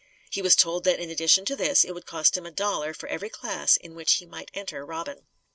He was told that in addition to this it would cost him a dollar for every class in which he might enter Robin.